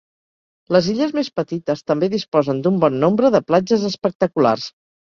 Les illes més petites també disposen d'un bon nombre de platges espectaculars.